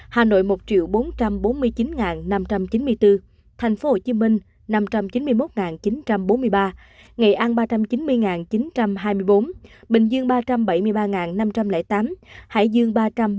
hà nội một bốn trăm bốn mươi chín năm trăm chín mươi bốn tp hcm năm trăm chín mươi một chín trăm bốn mươi ba nghệ an ba trăm chín mươi chín trăm hai mươi bốn bình dương ba trăm bảy mươi ba năm trăm linh tám hải dương ba trăm ba mươi bảy bốn trăm hai mươi năm